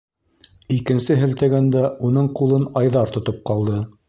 Икенсе һелтәгәндә уның ҡулын Айҙар тотоп ҡалды.